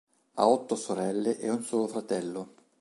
Ha otto sorelle e un solo fratello.